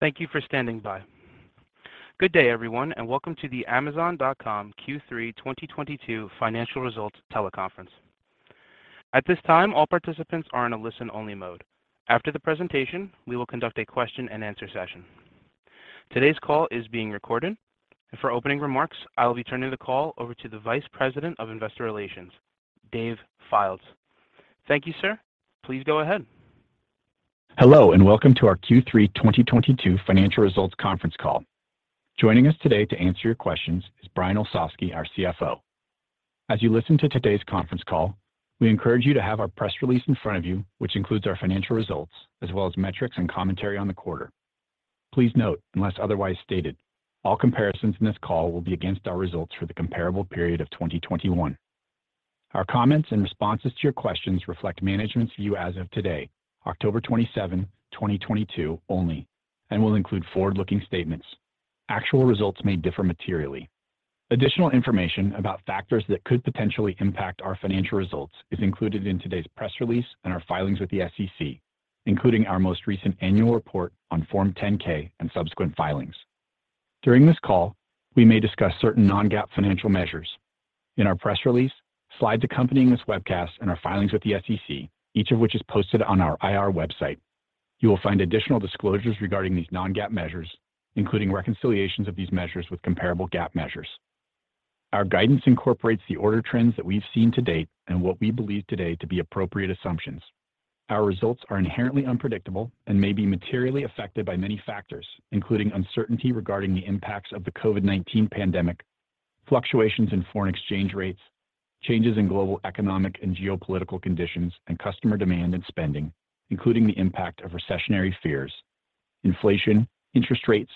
Thank you for standing by. Good day, everyone, and welcome to the Amazon.com Q3 2022 Financial Results Teleconference. At this time, all participants are in a listen-only mode. After the presentation, we will conduct a question-and-answer session. Today's call is being recorded. For opening remarks, I'll be turning the call over to the Vice President of Investor Relations, Dave Fildes. Thank you, sir. Please go ahead. Hello, and welcome to our Q3 2022 Financial Results Conference Call. Joining us today to answer your questions is Brian Olsavsky, our CFO. As you listen to today's conference call, we encourage you to have our press release in front of you, which includes our financial results as well as metrics and commentary on the quarter. Please note, unless otherwise stated, all comparisons in this call will be against our results for the comparable period of 2021. Our comments and responses to your questions reflect management's view as of today, October 27, 2022 only, and will include forward-looking statements. Actual results may differ materially. Additional information about factors that could potentially impact our financial results is included in today's press release and our filings with the SEC, including our most recent annual report on Form 10-K and subsequent filings. During this call, we may discuss certain non-GAAP financial measures. In our press release, slides accompanying this webcast, and our filings with the SEC, each of which is posted on our IR website. You will find additional disclosures regarding these non-GAAP measures, including reconciliations of these measures with comparable GAAP measures. Our guidance incorporates the order trends that we've seen to date and what we believe today to be appropriate assumptions. Our results are inherently unpredictable and may be materially affected by many factors, including uncertainty regarding the impacts of the COVID-19 pandemic, fluctuations in foreign exchange rates, changes in global economic and geopolitical conditions and customer demand and spending, including the impact of recessionary fears, inflation, interest rates,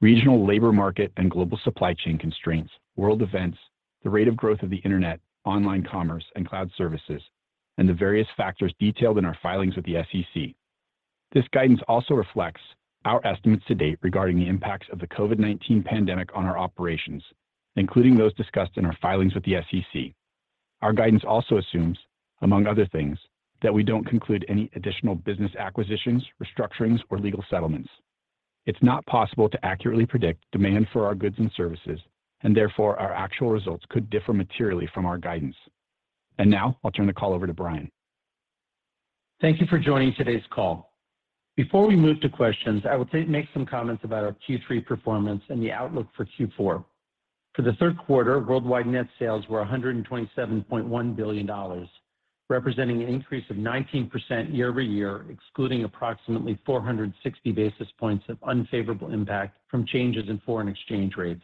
regional labor market and global supply chain constraints, world events, the rate of growth of the Internet, online commerce and cloud services, and the various factors detailed in our filings with the SEC. This guidance also reflects our estimates to date regarding the impacts of the COVID-19 pandemic on our operations, including those discussed in our filings with the SEC. Our guidance also assumes, among other things, that we don't conclude any additional business acquisitions, restructurings, or legal settlements. It's not possible to accurately predict demand for our goods and services, and therefore, our actual results could differ materially from our guidance. Now I'll turn the call over to Brian. Thank you for joining today's call. Before we move to questions, I will make some comments about our Q3 performance and the outlook for Q4. For the third quarter, worldwide net sales were $127.1 billion, representing an increase of 19% year-over-year, excluding approximately 460 basis points of unfavorable impact from changes in foreign exchange rates.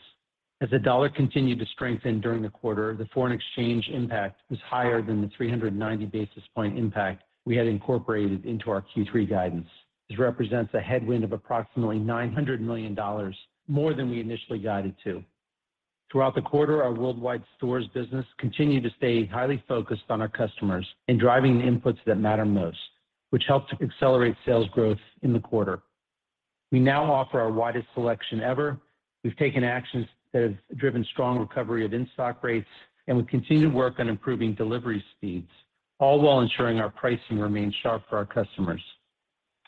As the dollar continued to strengthen during the quarter, the foreign exchange impact was higher than the 390 basis point impact we had incorporated into our Q3 guidance. This represents a headwind of approximately $900 million, more than we initially guided to. Throughout the quarter, our worldwide stores business continued to stay highly focused on our customers in driving the inputs that matter most, which helped to accelerate sales growth in the quarter. We now offer our widest selection ever. We've taken actions that have driven strong recovery of in-stock rates, and we continue to work on improving delivery speeds, all while ensuring our pricing remains sharp for our customers.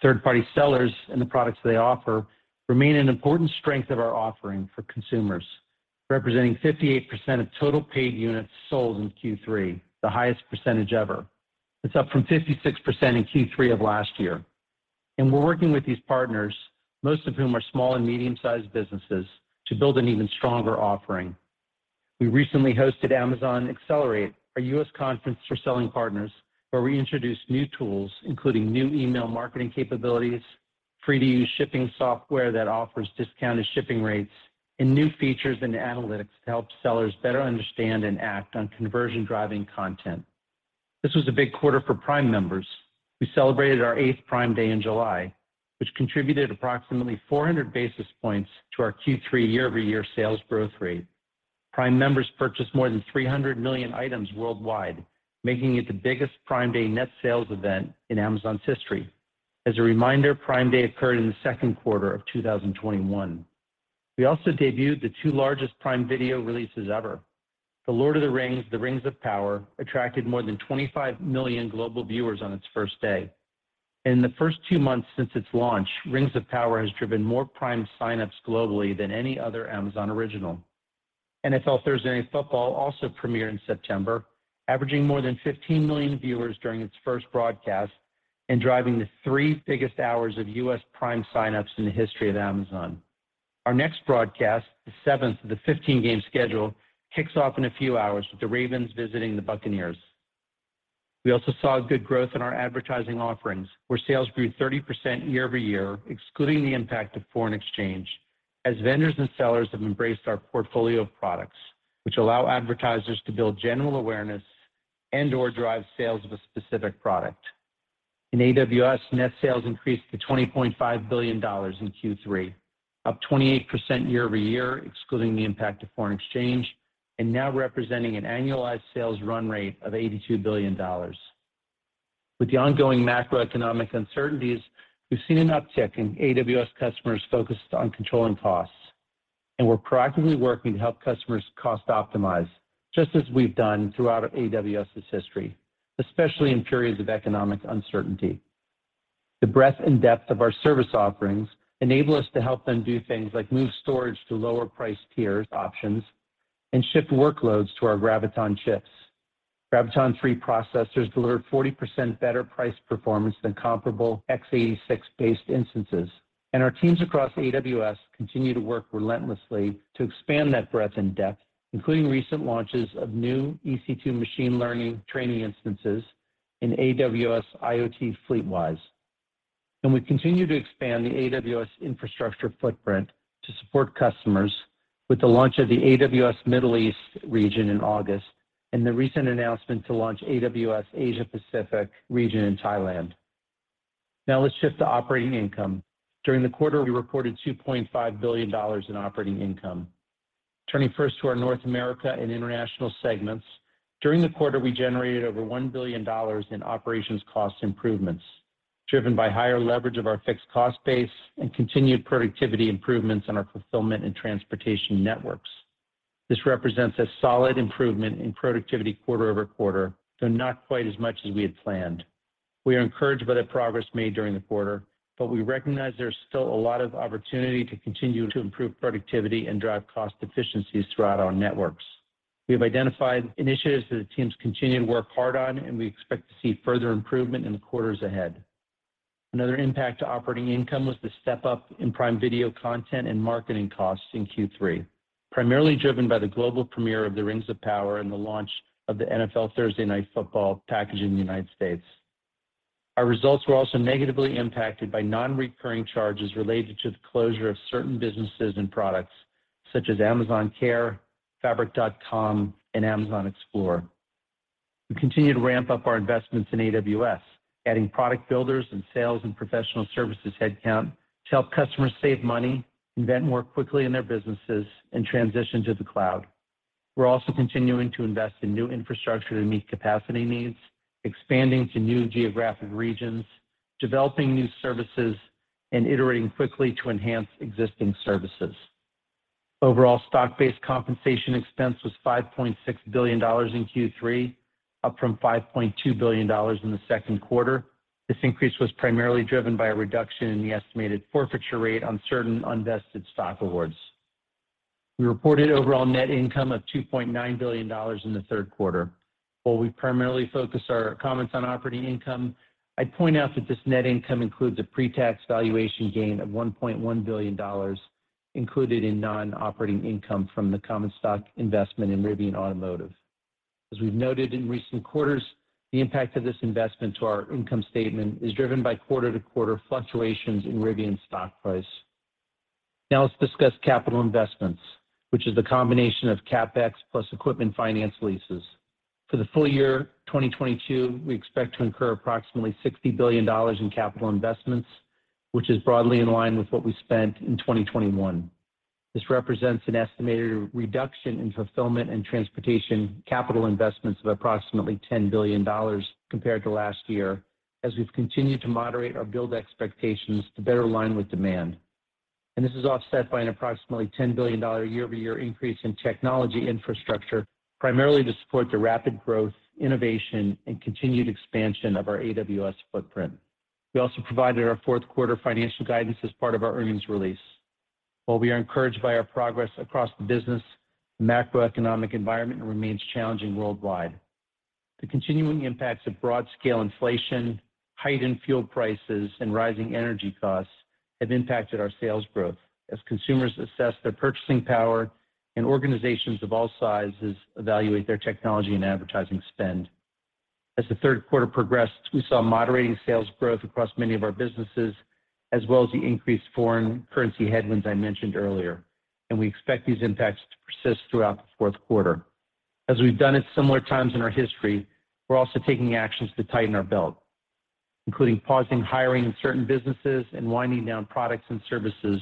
Third-party sellers and the products they offer remain an important strength of our offering for consumers, representing 58% of total paid units sold in Q3, the highest percentage ever. It's up from 56% in Q3 of last year. We're working with these partners, most of whom are small and medium-sized businesses, to build an even stronger offering. We recently hosted Amazon Accelerate, our U.S. conference for selling partners, where we introduced new tools, including new email marketing capabilities, free-to-use shipping software that offers discounted shipping rates, and new features and analytics to help sellers better understand and act on conversion-driving content. This was a big quarter for Prime members. We celebrated our 8th Prime Day in July, which contributed approximately 400 basis points to our Q3 year-over-year sales growth rate. Prime members purchased more than 300 million items worldwide, making it the biggest Prime Day net sales event in Amazon's history. As a reminder, Prime Day occurred in the second quarter of 2021. We also debuted the two largest Prime Video releases ever. The Lord of the Rings: The Rings of Power attracted more than 25 million global viewers on its first day. In the first two months since its launch, Rings of Power has driven more Prime signups globally than any other Amazon original. NFL Thursday Night Football also premiered in September, averaging more than 15 million viewers during its first broadcast and driving the three biggest hours of U.S. Prime signups in the history of Amazon. Our next broadcast, the seventh of the 15-game schedule, kicks off in a few hours with the Ravens visiting the Buccaneers. We also saw good growth in our advertising offerings, where sales grew 30% year-over-year, excluding the impact of foreign exchange, as vendors and sellers have embraced our portfolio of products, which allow advertisers to build general awareness and/or drive sales of a specific product. In AWS, net sales increased to $20.5 billion in Q3, up 28% year-over-year, excluding the impact of foreign exchange, and now representing an annualized sales run rate of $82 billion. With the ongoing macroeconomic uncertainties, we've seen an uptick in AWS customers focused on controlling costs. We're proactively working to help customers cost optimize, just as we've done throughout AWS's history, especially in periods of economic uncertainty. The breadth and depth of our service offerings enable us to help them do things like move storage to lower price tier options and shift workloads to our Graviton chips. Graviton3 processors deliver 40% better price performance than comparable x86-based instances. Our teams across AWS continue to work relentlessly to expand that breadth and depth, including recent launches of new EC2 machine learning training instances in AWS IoT FleetWise. We continue to expand the AWS infrastructure footprint to support customers with the launch of the AWS Middle East region in August and the recent announcement to launch AWS Asia Pacific region in Thailand. Now let's shift to operating income. During the quarter, we reported $2.5 billion in operating income. Turning first to our North America and international segments. During the quarter, we generated over $1 billion in operations cost improvements, driven by higher leverage of our fixed cost base and continued productivity improvements in our fulfillment and transportation networks. This represents a solid improvement in productivity quarter over quarter, though not quite as much as we had planned. We are encouraged by the progress made during the quarter, but we recognize there's still a lot of opportunity to continue to improve productivity and drive cost efficiencies throughout our networks. We have identified initiatives that the teams continue to work hard on, and we expect to see further improvement in the quarters ahead. Another impact to operating income was the step-up in Prime Video content and marketing costs in Q3, primarily driven by the global premiere of The Rings of Power and the launch of the NFL Thursday Night Football package in the United States. Our results were also negatively impacted by non-recurring charges related to the closure of certain businesses and products, such as Amazon Care, Fabric.com, and Amazon Explore. We continue to ramp up our investments in AWS, adding product builders and sales and professional services headcount to help customers save money, invent more quickly in their businesses, and transition to the cloud. We're also continuing to invest in new infrastructure to meet capacity needs, expanding to new geographic regions, developing new services, and iterating quickly to enhance existing services. Overall, stock-based compensation expense was $5.6 billion in Q3, up from $5.2 billion in the second quarter. This increase was primarily driven by a reduction in the estimated forfeiture rate on certain unvested stock awards. We reported overall net income of $2.9 billion in the third quarter. While we primarily focus our comments on operating income, I'd point out that this net income includes a pre-tax valuation gain of $1.1 billion included in non-operating income from the common stock investment in Rivian Automotive. As we've noted in recent quarters, the impact of this investment to our income statement is driven by quarter-to-quarter fluctuations in Rivian's stock price. Now let's discuss capital investments, which is the combination of CapEx plus equipment finance leases. For the full year 2022, we expect to incur approximately $60 billion in capital investments, which is broadly in line with what we spent in 2021. This represents an estimated reduction in fulfillment and transportation capital investments of approximately $10 billion compared to last year, as we've continued to moderate our build expectations to better align with demand. This is offset by an approximately $10 billion year-over-year increase in technology infrastructure, primarily to support the rapid growth, innovation, and continued expansion of our AWS footprint. We also provided our fourth quarter financial guidance as part of our earnings release. While we are encouraged by our progress across the business, the macroeconomic environment remains challenging worldwide. The continuing impacts of broad-scale inflation, heightened fuel prices, and rising energy costs have impacted our sales growth as consumers assess their purchasing power and organizations of all sizes evaluate their technology and advertising spend. As the third quarter progressed, we saw moderating sales growth across many of our businesses, as well as the increased foreign currency headwinds I mentioned earlier, and we expect these impacts to persist throughout the fourth quarter. As we've done at similar times in our history, we're also taking actions to tighten our belt, including pausing hiring in certain businesses and winding down products and services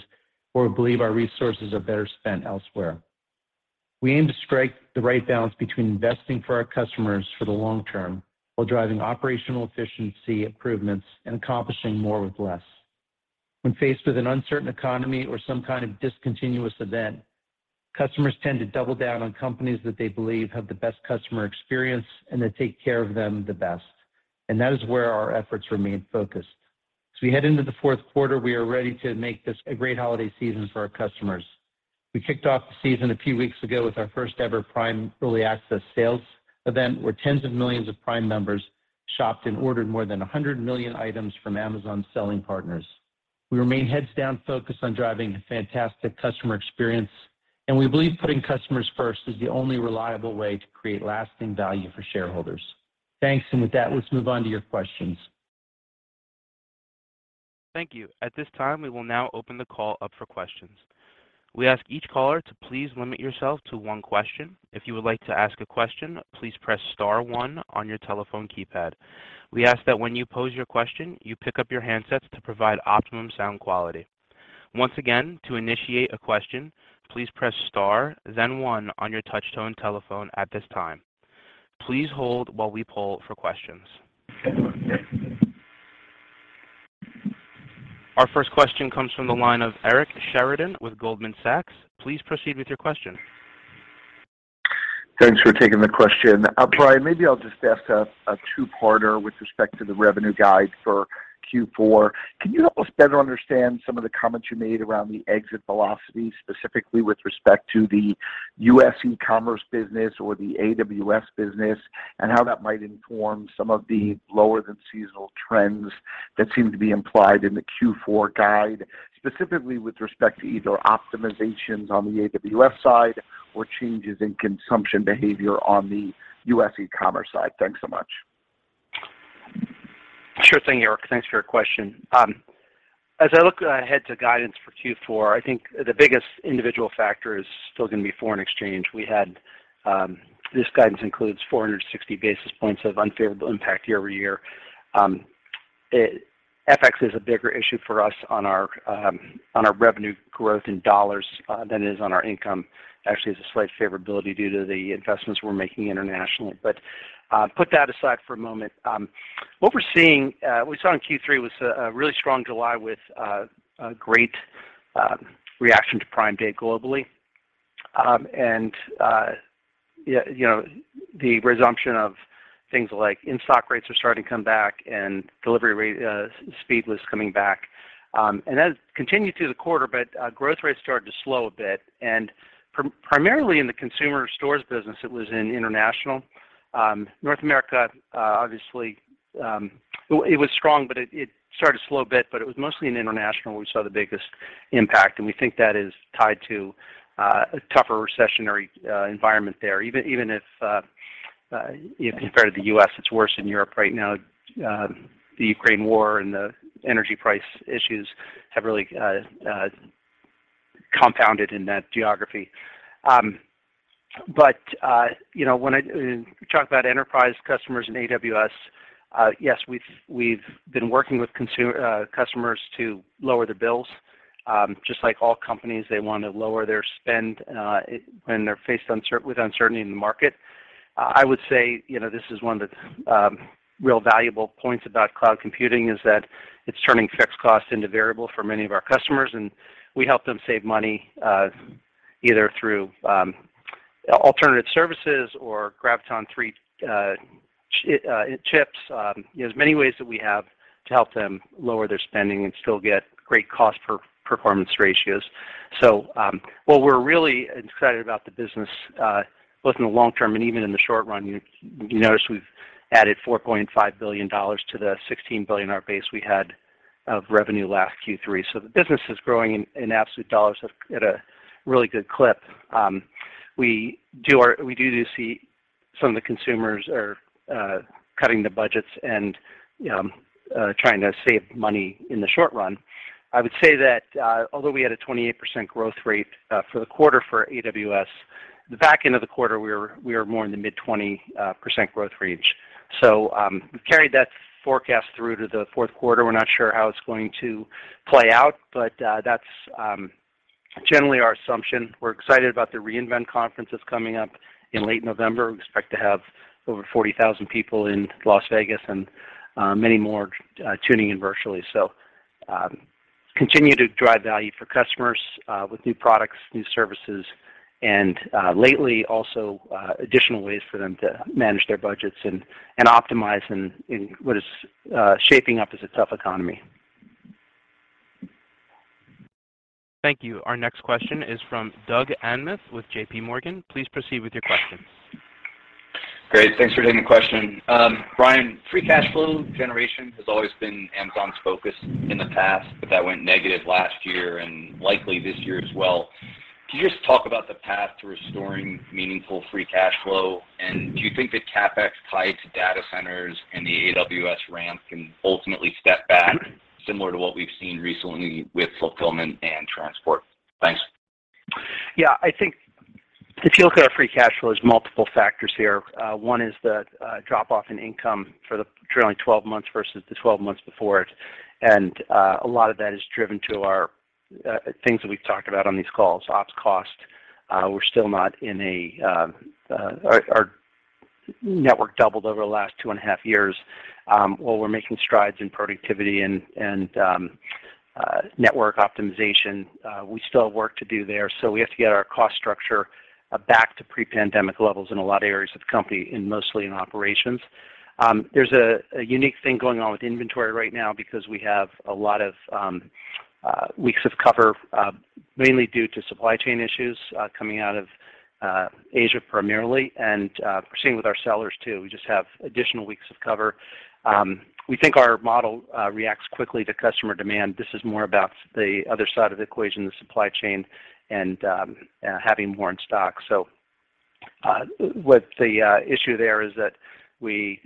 where we believe our resources are better spent elsewhere. We aim to strike the right balance between investing for our customers for the long term while driving operational efficiency improvements and accomplishing more with less. When faced with an uncertain economy or some kind of discontinuous event, customers tend to double down on companies that they believe have the best customer experience and that take care of them the best. That is where our efforts remain focused. As we head into the fourth quarter, we are ready to make this a great holiday season for our customers. We kicked off the season a few weeks ago with our first ever Prime Early Access Sales event, where tens of millions of Prime members shopped and ordered more than 100 million items from Amazon selling partners. We remain heads down focused on driving a fantastic customer experience, and we believe putting customers first is the only reliable way to create lasting value for shareholders. Thanks. With that, let's move on to your questions. Thank you. At this time, we will now open the call up for questions. We ask each caller to please limit yourself to one question. If you would like to ask a question, please press star one on your telephone keypad. We ask that when you pose your question, you pick up your handsets to provide optimum sound quality. Once again, to initiate a question, please press star then one on your touch tone telephone at this time. Please hold while we poll for questions. Our first question comes from the line of Eric Sheridan with Goldman Sachs. Please proceed with your question. Thanks for taking the question. Brian, maybe I'll just ask a two-parter with respect to the revenue guide for Q4. Can you help us better understand some of the comments you made around the exit velocity, specifically with respect to the U.S. e-commerce business or the AWS business, and how that might inform some of the lower than seasonal trends that seem to be implied in the Q4 guide, specifically with respect to either optimizations on the AWS side or changes in consumption behavior on the U.S. e-commerce side? Thanks so much. Sure thing, Eric. Thanks for your question. As I look ahead to guidance for Q4, I think the biggest individual factor is still gonna be foreign exchange. This guidance includes 460 basis points of unfavorable impact year-over-year. FX is a bigger issue for us on our revenue growth in dollars than it is on our income. Actually, it's a slight favorability due to the investments we're making internationally. Put that aside for a moment. What we're seeing, we saw in Q3 was a really strong July with a great reaction to Prime Day globally. Yeah, you know, the resumption of things like in-stock rates are starting to come back and delivery rate speed was coming back. That continued through the quarter, but growth rates started to slow a bit. Primarily in the consumer stores business, it was in international. North America, obviously, it was strong, but it started to slow a bit, but it was mostly in international where we saw the biggest impact, and we think that is tied to a tougher recessionary environment there. Even compared to the U.S., it's worse in Europe right now. The Ukraine war and the energy price issues have really compounded in that geography. You know, when I talk about enterprise customers and AWS, yes, we've been working with customers to lower their bills. Just like all companies, they wanna lower their spend when they're faced with uncertainty in the market. I would say, you know, this is one of the real valuable points about cloud computing, is that it's turning fixed costs into variable for many of our customers, and we help them save money either through alternative services or Graviton3 chips. You know, there's many ways that we have to help them lower their spending and still get great cost per performance ratios. While we're really excited about the business both in the long term and even in the short run, you notice we've added $4.5 billion to the $16 billion base we had of revenue last Q3. The business is growing in absolute dollars at a really good clip. We do see some of the consumers are cutting the budgets and trying to save money in the short run. I would say that although we had a 28% growth rate for the quarter for AWS, the back end of the quarter, we were more in the mid-20% growth range. We've carried that forecast through to the fourth quarter. We're not sure how it's going to play out, but that's generally our assumption. We're excited about the re:Invent conference that's coming up in late November. We expect to have over 40,000 people in Las Vegas and many more tuning in virtually. Continue to drive value for customers with new products, new services, and lately also additional ways for them to manage their budgets and optimize in what is shaping up as a tough economy. Thank you. Our next question is from Doug Anmuth with J.P. Morgan. Please proceed with your questions. Great. Thanks for taking the question. Brian, free cash flow generation has always been Amazon's focus in the past, but that went negative last year and likely this year as well. Can you just talk about the path to restoring meaningful free cash flow? Do you think that CapEx tied to data centers and the AWS ramp can ultimately step back similar to what we've seen recently with fulfillment and transport? Thanks. Yeah. I think the outlook for free cash flow is multiple factors here. One is the drop-off in income for the trailing 12 months versus the 12 months before it. A lot of that is driven by the things that we've talked about on these calls. OpEx. Our network doubled over the last two and a half years. While we're making strides in productivity and network optimization, we still have work to do there. We have to get our cost structure back to pre-pandemic levels in a lot of areas of the company, and mostly in operations. There's a unique thing going on with inventory right now because we have a lot of weeks of cover mainly due to supply chain issues coming out of Asia primarily. We're seeing it with our sellers too. We just have additional weeks of cover. We think our model reacts quickly to customer demand. This is more about the other side of the equation, the supply chain and having more in stock. What the issue there is that we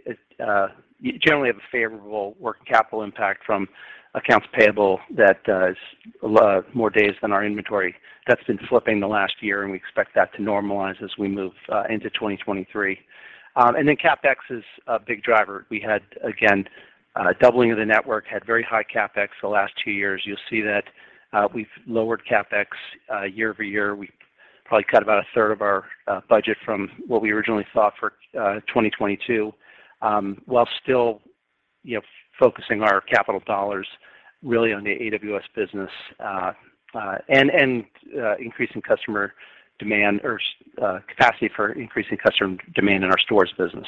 generally have a favorable working capital impact from accounts payable that is a lot more days than our inventory. That's been flipping the last year, and we expect that to normalize as we move into 2023. Then CapEx is a big driver. We had, again, doubling of the network, had very high CapEx the last two years. You'll see that, we've lowered CapEx, year over year. Probably cut about a third of our budget from what we originally thought for 2022, while still, you know, focusing our capital dollars really on the AWS business, and increasing customer demand or capacity for increasing customer demand in our stores business.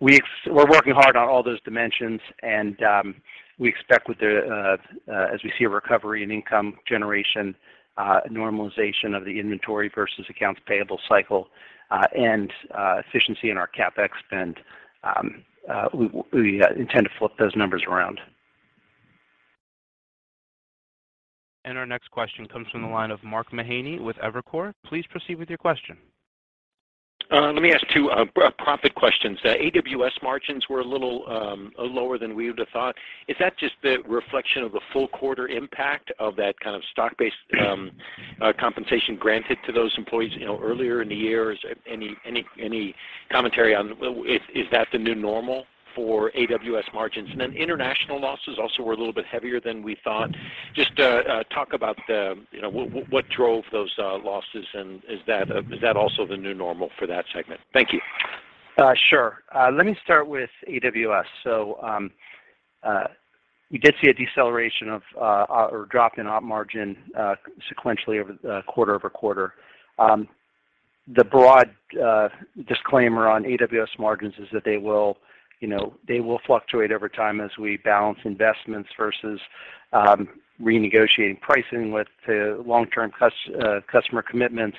We're working hard on all those dimensions, and we expect with the, as we see a recovery in income generation, normalization of the inventory versus accounts payable cycle, and efficiency in our CapEx spend, we intend to flip those numbers around. Our next question comes from the line of Mark Mahaney with Evercore. Please proceed with your question. Let me ask two profit questions. The AWS margins were a little lower than we would have thought. Is that just the reflection of the full quarter impact of that kind of stock-based compensation granted to those employees, you know, earlier in the year? Is any commentary on whether that is the new normal for AWS margins? International losses also were a little bit heavier than we thought. Just talk about, you know, what drove those losses, and is that also the new normal for that segment? Thank you. Sure. Let me start with AWS. You did see a deceleration of, or drop in op margin sequentially quarter-over-quarter. The broad disclaimer on AWS margins is that they will, you know, fluctuate over time as we balance investments versus renegotiating pricing with the long-term customer commitments,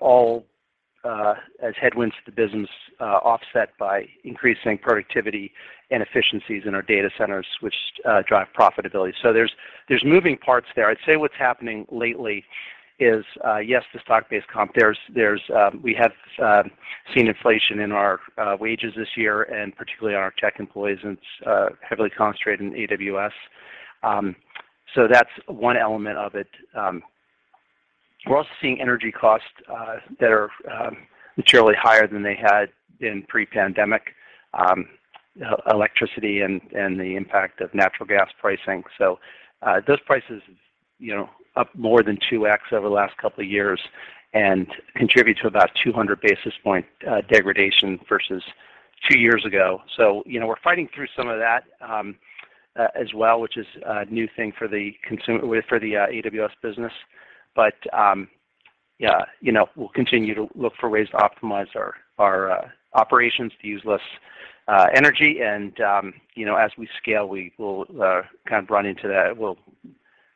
all as headwinds to the business offset by increasing productivity and efficiencies in our data centers, which drive profitability. There's moving parts there. I'd say what's happening lately is, yes, the stock-based comp. We have seen inflation in our wages this year, and particularly in our tech employees, and it's heavily concentrated in AWS. That's one element of it. We're also seeing energy costs that are materially higher than they had been pre-pandemic, electricity and the impact of natural gas pricing. Those prices, you know, up more than 2x over the last couple of years and contribute to about 200 basis points degradation versus two years ago. We're fighting through some of that as well, which is a new thing for the AWS business. Yeah, you know, we'll continue to look for ways to optimize our operations to use less energy. You know, as we scale, we will kind of run into that.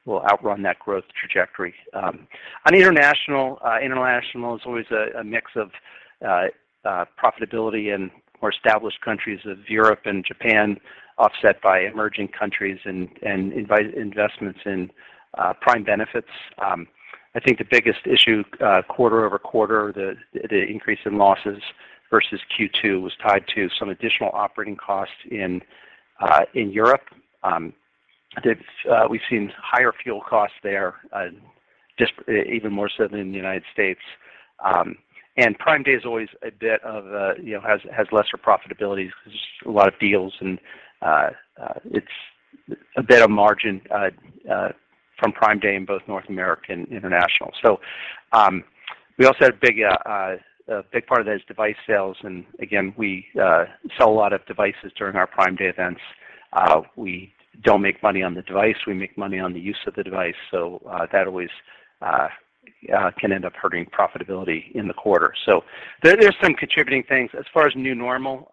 We'll outrun that growth trajectory. On international is always a mix of profitability in more established countries of Europe and Japan, offset by emerging countries and investments in Prime benefits. I think the biggest issue quarter-over-quarter, the increase in losses versus Q2 was tied to some additional operating costs in Europe. We've seen higher fuel costs there, just even more so than in the United States. Prime Day is always a bit of a, you know, has lesser profitability because there's a lot of deals and it's a bit of margin from Prime Day in both North America and international. We also had a big part of that is device sales. Again, we sell a lot of devices during our Prime Day events. We don't make money on the device, we make money on the use of the device. That always can end up hurting profitability in the quarter. There's some contributing things. As far as new normal,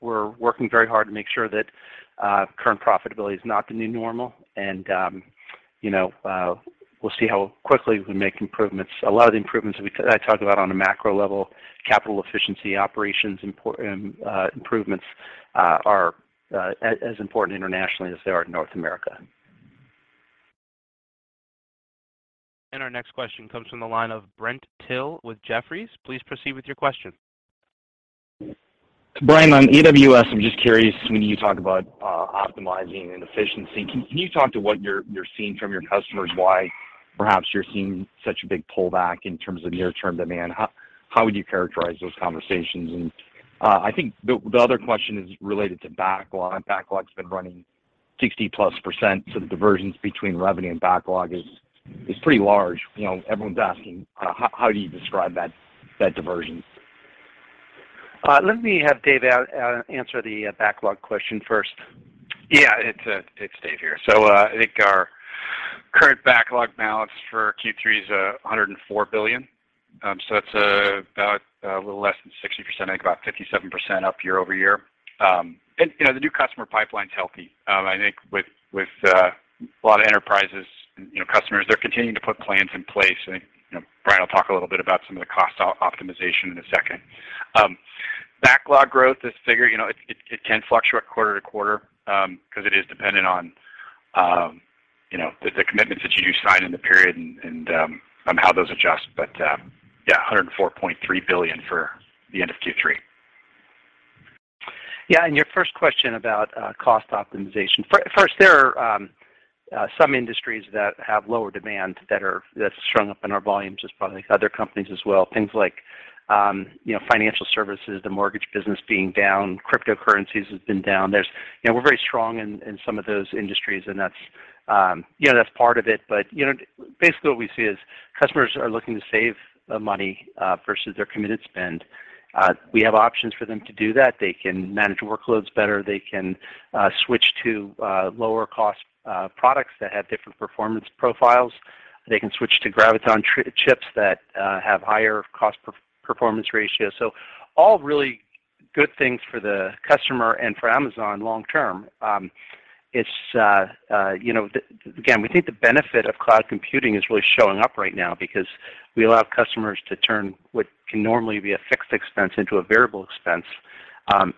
we're working very hard to make sure that current profitability is not the new normal. You know, we'll see how quickly we make improvements. A lot of the improvements I talk about on a macro level, capital efficiency operations improvements, are as important internationally as they are in North America. Our next question comes from the line of Brent Thill with Jefferies. Please proceed with your question. Brian, on AWS, I'm just curious, when you talk about optimizing and efficiency, can you talk to what you're seeing from your customers why perhaps you're seeing such a big pullback in terms of near-term demand? How would you characterize those conversations? I think the other question is related to backlog. Backlog's been running 60%+, so the divergence between revenue and backlog is pretty large. You know, everyone's asking how do you describe that divergence? Let me have Dave answer the backlog question first. Yeah. It's Dave here. I think our current backlog balance for Q3 is $104 billion. So it's about a little less than 60%, I think about 57% up year-over-year. You know, the new customer pipeline's healthy. I think with a lot of enterprises, you know, customers, they're continuing to put plans in place. You know, Brian will talk a little bit about some of the cost optimization in a second. Backlog growth, this figure, you know, it can fluctuate quarter to quarter, because it is dependent on, you know, the commitments that you do sign in the period and how those adjust. Yeah, $104.3 billion for the end of Q3. Yeah. Your first question about cost optimization. First, there are some industries that have lower demand that's showing up in our volumes just like other companies as well, things like, you know, financial services, the mortgage business being down, cryptocurrencies has been down. There's. You know, we're very strong in some of those industries, and that's, you know, that's part of it. You know, basically what we see is customers are looking to save money versus their committed spend. We have options for them to do that. They can manage workloads better. They can switch to lower cost products that have different performance profiles. They can switch to Graviton chips that have higher cost per-performance ratio. So all really good things for the customer and for Amazon long term. You know, again, we think the benefit of cloud computing is really showing up right now because we allow customers to turn what can normally be a fixed expense into a variable expense,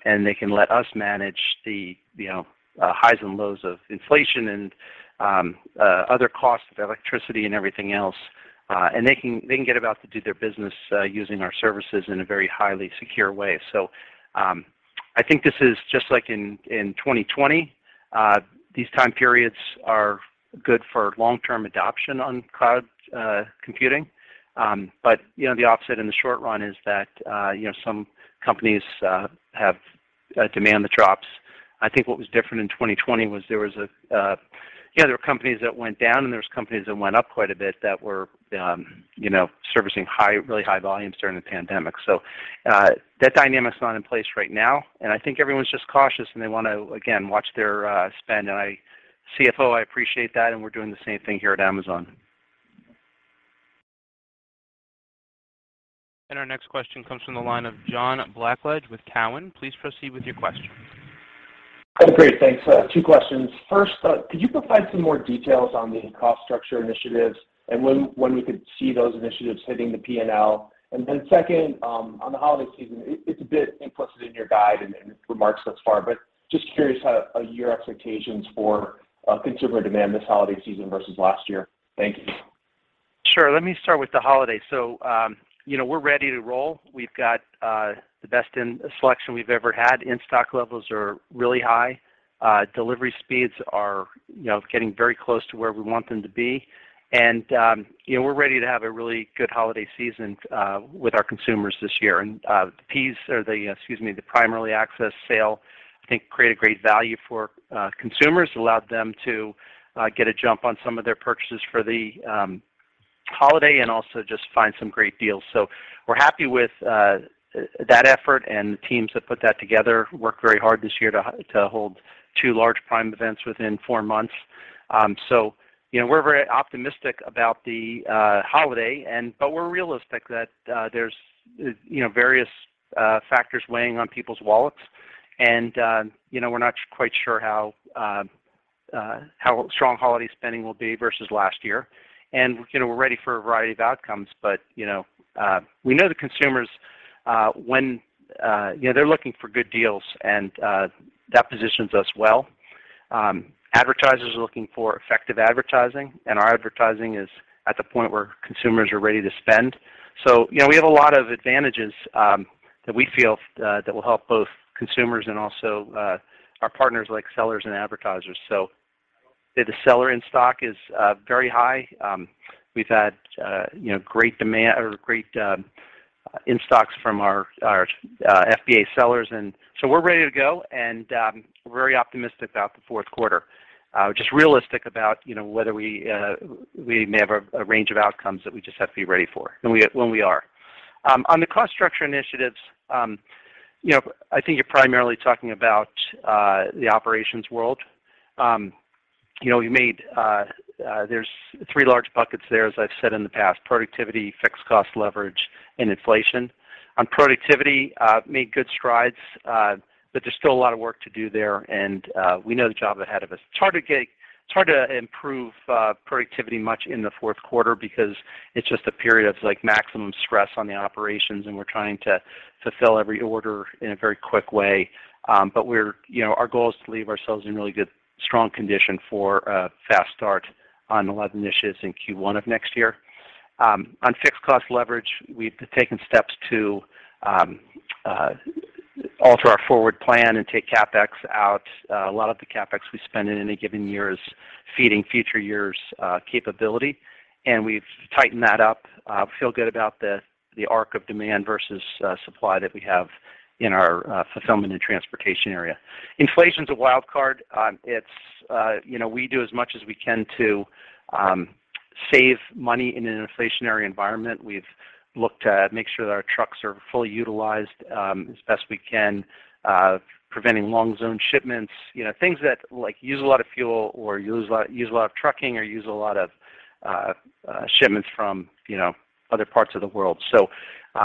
and they can let us manage the you know, highs and lows of inflation and other costs of electricity and everything else. They can get back to doing their business using our services in a very highly secure way. I think this is just like in 2020. These time periods are good for long-term adoption on cloud computing. You know, the opposite in the short run is that you know, some companies have demand that drops. I think what was different in 2020 was there was yeah, there were companies that went down, and there was companies that went up quite a bit that were, you know, servicing high, really high volumes during the pandemic. That dynamic's not in place right now, and I think everyone's just cautious, and they wanna, again, watch their spend. CFO, I appreciate that, and we're doing the same thing here at Amazon. Our next question comes from the line of John Blackledge with TD Cowen. Please proceed with your question. Great. Thanks. Two questions. First, could you provide some more details on the cost structure initiatives and when we could see those initiatives hitting the P&L? Second, on the holiday season, it's a bit implicit in your guide and remarks thus far, but just curious, your expectations for consumer demand this holiday season versus last year. Thank you. Sure. Let me start with the holiday. You know, we're ready to roll. We've got the best in selection we've ever had. In-stock levels are really high. Delivery speeds are, you know, getting very close to where we want them to be. You know, we're ready to have a really good holiday season with our consumers this year. The Prime Early Access Sale, I think create a great value for consumers, allowed them to get a jump on some of their purchases for the holiday and also just find some great deals. We're happy with that effort, and the teams that put that together worked very hard this year to hold two large Prime events within four months. You know, we're very optimistic about the holiday, and but we're realistic that there's, you know, various factors weighing on people's wallets. You know, we're not quite sure how strong holiday spending will be versus last year. You know, we're ready for a variety of outcomes. You know, we know the consumers when, you know, they're looking for good deals, and that positions us well. Advertisers are looking for effective advertising, and our advertising is at the point where consumers are ready to spend. You know, we have a lot of advantages that we feel that will help both consumers and also our partners like sellers and advertisers. The seller in stock is very high. We've had, you know, great demand and great in-stocks from our FBA sellers. We're ready to go and very optimistic about the fourth quarter. Just realistic about, you know, whether we may have a range of outcomes that we just have to be ready for, and we are. On the cost structure initiatives, you know, I think you're primarily talking about the operations world. You know, there's three large buckets there, as I've said in the past, productivity, fixed cost leverage, and inflation. On productivity, made good strides, but there's still a lot of work to do there, and we know the job ahead of us. It's hard to improve productivity much in the fourth quarter because it's just a period of, like, maximum stress on the operations, and we're trying to fulfill every order in a very quick way. You know, our goal is to leave ourselves in really good, strong condition for a fast start on a lot of initiatives in Q1 of next year. On fixed cost leverage, we've taken steps to alter our forward plan and take CapEx out. A lot of the CapEx we spend in any given year is feeding future years' capability, and we've tightened that up. Feel good about the arc of demand versus supply that we have in our fulfillment and transportation area. Inflation's a wild card. It's, you know, we do as much as we can to save money in an inflationary environment. We've looked at making sure that our trucks are fully utilized as best we can, preventing long zone shipments, you know, things that, like, use a lot of fuel or use a lot of trucking or use a lot of shipments from, you know, other parts of the world.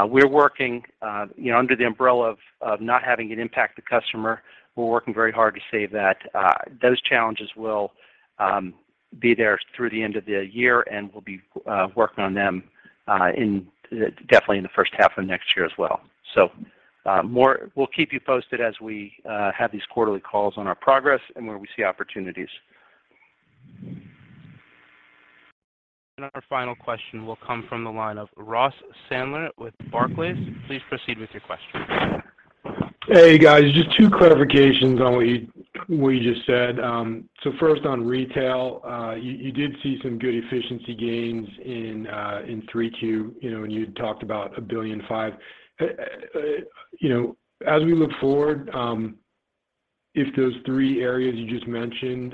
We're working, you know, under the umbrella of not having an impact to customer. We're working very hard to save that. Those challenges will be there through the end of the year, and we'll be working on them definitely in the first half of next year as well. We'll keep you posted as we have these quarterly calls on our progress and where we see opportunities. Our final question will come from the line of Ross Sandler with Barclays. Please proceed with your question. Hey guys, just two clarifications on what you just said. First on retail, you did see some good efficiency gains in 3Q, you know, and you talked about $1.5 billion. You know, as we look forward, if those three areas you just mentioned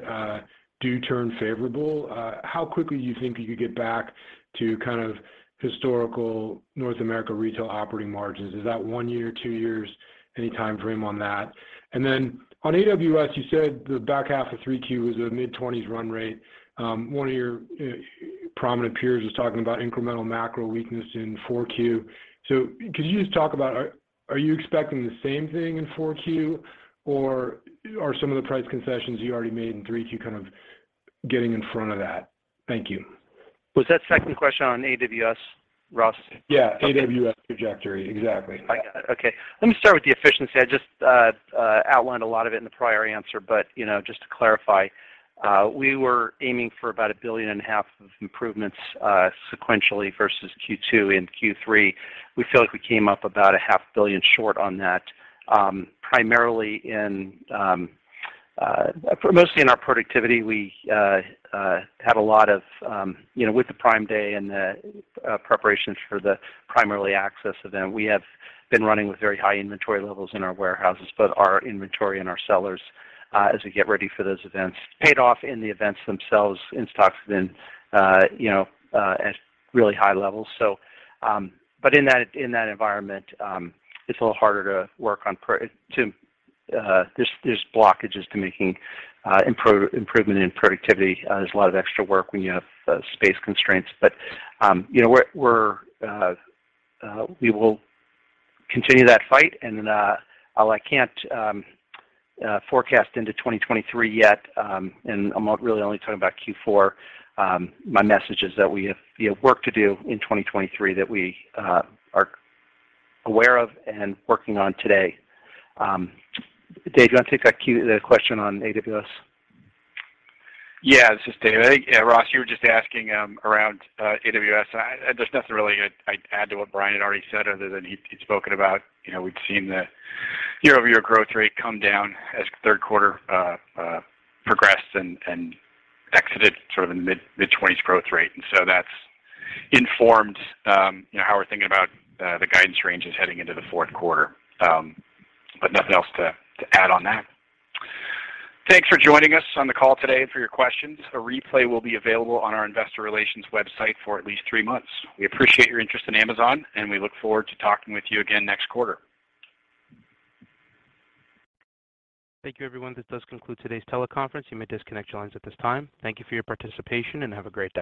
do turn favorable, how quickly do you think you could get back to kind of historical North America retail operating margins? Is that one year, two years? Any time frame on that. Then on AWS, you said the back half of 3Q was a mid-20s% run rate. One of your prominent peers was talking about incremental macro weakness in 4Q. Could you just talk about, are you expecting the same thing in 4Q or are some of the price concessions you already made in 3Q kind of getting in front of that? Thank you. Was that second question on AWS, Ross? Yeah. AWS trajectory. Exactly. I got it. Okay. Let me start with the efficiency. I just outlined a lot of it in the prior answer. You know, just to clarify, we were aiming for about $1.5 billion of improvements, sequentially versus Q2 and Q3. We feel like we came up about $0.5 billion short on that, primarily in, mostly in our productivity. We had a lot of, you know, with the Prime Day and the preparations for the Prime Early Access Sale event, we have been running with very high inventory levels in our warehouses. Our inventory and our sellers, as we get ready for those events, paid off in the events themselves. Inventories have been, you know, at really high levels. In that environment, it's a little harder to work on productivity. There's blockages to making improvement in productivity. There's a lot of extra work when you have space constraints. You know, we will continue that fight. While I can't forecast into 2023 yet, and I'm really only talking about Q4, my message is that we have work to do in 2023 that we are aware of and working on today. Dave Fildes, you wanna take the question on AWS? Yeah, this is Dave. Yeah, Ross, you were just asking around AWS. There's nothing really I'd add to what Brian had already said other than he'd spoken about. You know, we've seen the year-over-year growth rate come down as third quarter progressed and exited sort of in mid-20s growth rate. That's informed you know how we're thinking about the guidance ranges heading into the fourth quarter. But nothing else to add on that. Thanks for joining us on the call today and for your questions. A replay will be available on our investor relations website for at least three months. We appreciate your interest in Amazon, and we look forward to talking with you again next quarter. Thank you, everyone. This does conclude today's teleconference. You may disconnect your lines at this time. Thank you for your participation and have a great day.